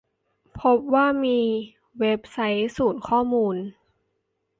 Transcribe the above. พบว่ามีเว็บไซต์ศูนย์ข้อมูล